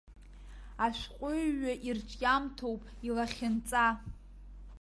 Ашәҟәыҩҩы ирҿиамҭоуп илахьынҵа.